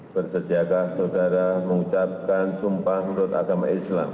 bersediakah saudara mengucapkan sumpah menurut agama islam